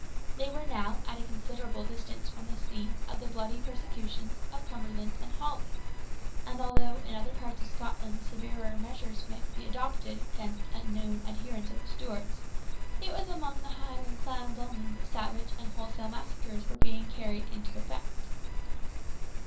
They were now at a considerable distance from the scene of the bloody persecutions of Cumberland and Hawley, and although in other parts of Scotland severe measures might be adopted against known adherents of the Stuarts, it was among the Highland clans only that savage and wholesale massacres were being carried into effect.